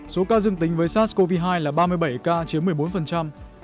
số ca dương tính với sars cov hai là ba mươi bảy ca chiếm một mươi bốn